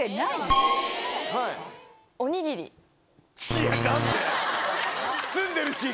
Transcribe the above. いや何で？